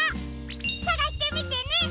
さがしてみてね！